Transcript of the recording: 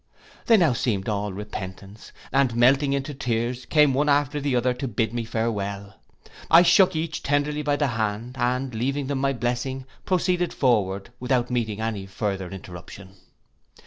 They now seemed all repentance, and melting into tears, came one after the other to bid me farewell. I shook each tenderly by the hand, and leaving them my blessing, proceeded forward without meeting any farther interruption.